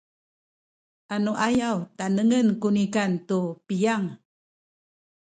anuayaw tanengen ku nikan tu piyang